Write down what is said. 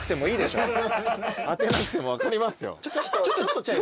当てなくても分かりますよ。